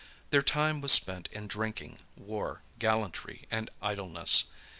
Their time was spent in drinking, war, gallantry, and idleness.